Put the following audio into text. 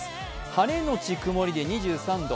晴れのち曇りで２３度。